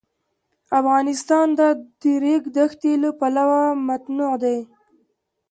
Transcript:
افغانستان د د ریګ دښتې له پلوه متنوع دی.